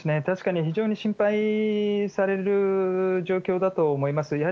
確かに非常に心配される状況だと思います。